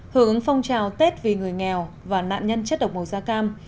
hướng phong trào tết vì người nghèo và nạn nhân chất độc màu da cam